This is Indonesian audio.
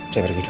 saya pergi dulu